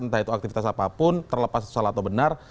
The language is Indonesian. entah itu aktivitas apapun terlepas itu salah atau benar